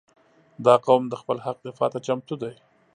• دا قوم د خپل حق دفاع ته چمتو دی.